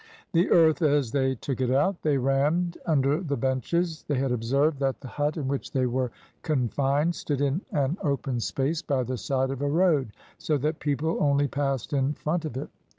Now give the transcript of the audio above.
The earth, as they took it out, they rammed under the benches. They had observed that the hut in which they were confined stood in an open space by the side of a road, so that people only passed in front of it.